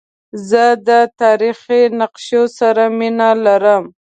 زه د تاریخي نقشو سره مینه لرم.